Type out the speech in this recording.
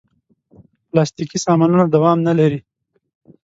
پلاستيکي سامانونه دوام نه لري.